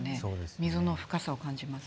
溝の深さを感じます。